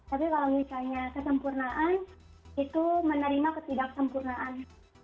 tapi kalau misalnya kesempurnaan itu menerima ketidaksempurnaan